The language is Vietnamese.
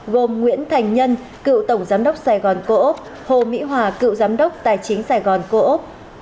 gồm nguyễn thành nhân cựu tổng giám đốc sài gòn cô ốc hồ mỹ hòa cựu giám đốc tài chính sài gòn cô ốc